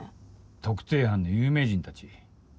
特定班の有名人たち。